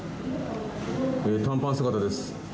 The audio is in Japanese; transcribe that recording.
短パン姿です。